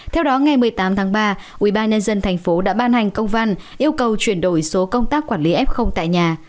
theo đó ngày một mươi tám tháng ba ubnd tp đã ban hành công văn yêu cầu chuyển đổi số công tác quản lý f tại nhà